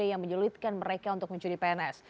yang menyelidikan mereka untuk mengunjungi pns